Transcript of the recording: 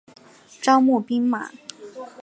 招募兵马。